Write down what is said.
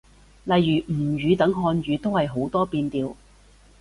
例如吳語等漢語，都係好多變調